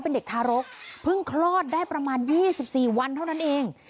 เป็นเด็กทารกเพิ่งคลอดได้ประมาณ๒๔วันเท่านั้นเอง